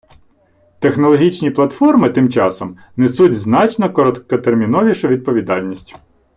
Технологічні платформи, тим часом, несуть значно короткотерміновішу відповідальність.